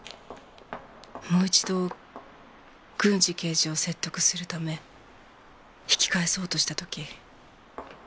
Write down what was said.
もう一度郡侍刑事を説得するため引き返そうとした時。